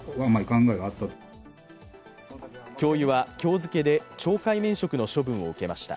教諭は今日付で懲戒免職の処分を受けました。